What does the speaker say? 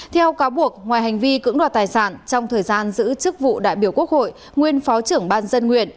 theo cáo buộc ngoài hành vi cưỡng đoạt tài sản trong thời gian giữ chức vụ đại biểu quốc hội nguyên phó trưởng ban dân nguyện